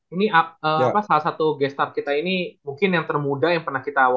ini salah satu guest star kita ini mungkin yang termuda yang pernah kita awal